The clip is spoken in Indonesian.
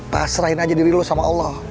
pasrain aja diri lo sama allah